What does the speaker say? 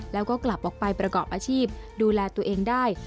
แล้วก็กลับออกไปประกอบอาชีพดูแลตัวเองได้